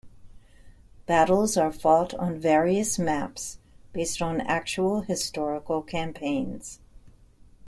Battles are fought on various maps based on actual historical campaigns.